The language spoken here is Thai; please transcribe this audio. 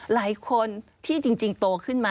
หลายคนที่จริงโตขึ้นมา